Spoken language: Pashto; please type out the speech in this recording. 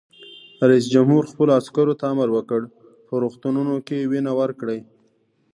رئیس جمهور خپلو عسکرو ته امر وکړ؛ په روغتونونو کې وینه ورکړئ!